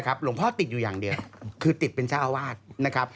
หลวงพ่อติดอยู่อย่างเดียวคือติดเป็นเจ้าอาวาสนะครับ